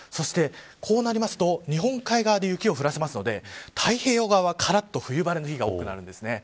こうなりますと日本海側で雪を降らせますので太平洋側はからっと冬晴れの日が多くなります。